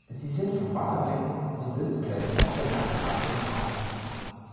Sie sind von Wasserbecken und Sitzplätzen auf der Dachterrasse umfasst.